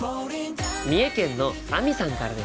三重県のあみさんからです。